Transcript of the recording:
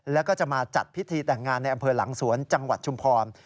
แล้วก็จะมาจัดพิธีแต่งงานในอำเภอหลังสวนจังหวัดชุมพร